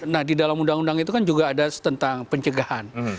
nah di dalam undang undang itu kan juga ada tentang pencegahan